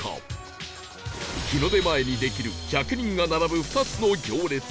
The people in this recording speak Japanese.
日の出前にできる１００人が並ぶ２つの行列